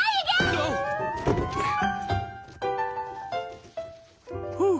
ああっあっ。